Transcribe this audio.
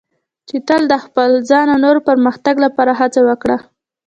چې تل د خپل ځان او نورو پرمختګ لپاره هڅه وکړه.